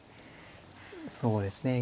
そうですね